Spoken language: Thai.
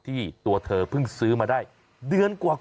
ตัวเธอเพิ่งซื้อมาได้เดือนกว่า